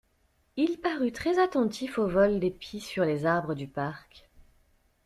Il parut très attentif au vol des pies sur les arbres du parc.